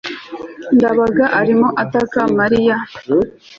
ndabaga arimo ataka mariya. (amastan